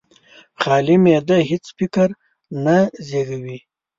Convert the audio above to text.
خالي معده هېڅ فکر نه زېږوي.